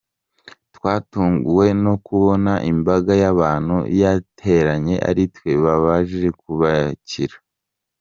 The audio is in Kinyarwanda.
Twatunguwe no kubona imbaga y’abantu yateranye ari twe baje kubakira.